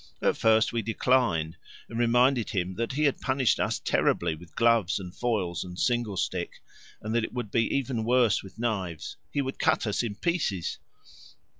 At first we declined, and reminded him that he had punished us terribly with gloves and foils and singlestick, and that it would be even worse with knives he would cut us in pieces!